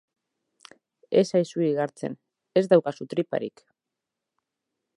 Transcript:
Ez zaizu igartzen, ez daukazu triparik!